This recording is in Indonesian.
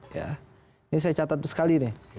ini saya catat sekali nih